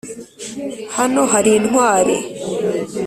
hano hari intwari